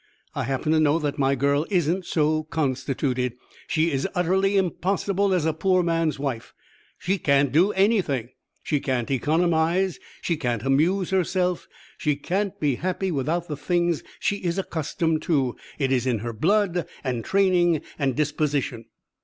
I happen to know that my girl isn't so constituted. She is utterly impossible as a poor man's wife. She can't do anything: she can't economize, she can't amuse herself, she can't be happy without the things she is accustomed to; it is in her blood and training and disposition.